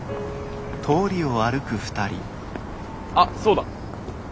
あっそうだ。